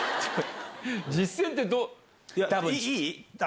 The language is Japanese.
実戦ってどう。